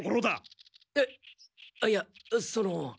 えっいやその。